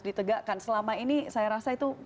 ditegakkan selama ini saya rasa itu